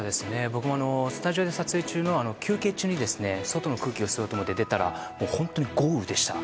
僕もスタジオで撮影中の休憩中に外の空気を吸おうと思って出たら本当に豪雨でした。